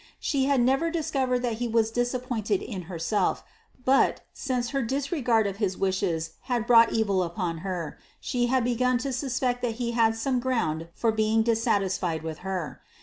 She had never discovered that he was disappointed in herself, but, since her disregard of his wishes had brought evil upon her, she had begun to suspect that he had some ground for being dissatisfied with her.